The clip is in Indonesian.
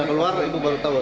keluar ibu baru tahu